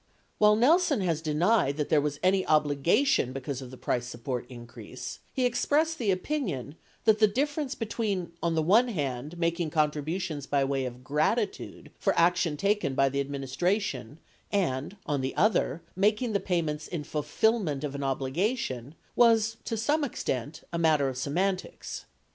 While Nelson has denied that there was any obligation because of the price support increase, he expressed the opinion that the difference between, on the one hand, making contri butions by way of gratitude for action taken by the administration and, on the other, making the payments in fulfillment of an obligation, was to some extent "a matter of semantics."